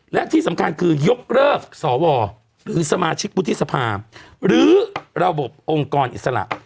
และที่สำคัญคือยกเลิกสวหรือสมาชิกวุฒิสภาหรือระบบองค์กรอิสระ